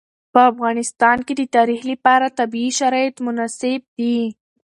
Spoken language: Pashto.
په افغانستان کې د تاریخ لپاره طبیعي شرایط مناسب دي.